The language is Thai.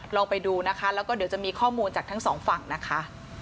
ลองไปดูนะคะแล้วก็เดี๋ยวจะมีข้อมูลจากทั้งสองฝั่งนะคะ